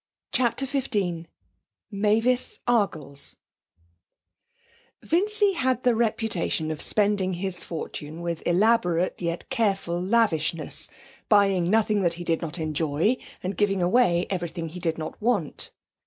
CHAPTER XV Mavis Argles Vincy had the reputation of spending his fortune with elaborate yet careful lavishness, buying nothing that he did not enjoy, and giving away everything he did not want.